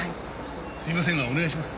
すみませんがお願いします。